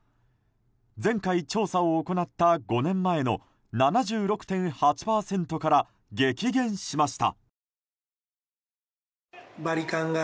前回調査を行った５年前の７６．８％から激減しました。